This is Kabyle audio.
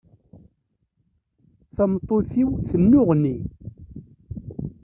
Tameṭṭut-iw tennuɣni.